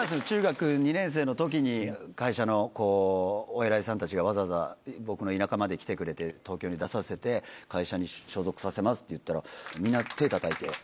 中学２年生のときに会社のお偉いさんたちがわざわざ僕の田舎まで来てくれて「東京に出させて会社に所属させます」って言ったらみんな手たたいて。